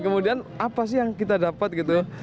kemudian apa sih yang kita dapat gitu